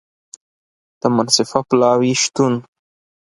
د منصفه پلاوي شتون